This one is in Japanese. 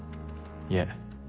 いえ。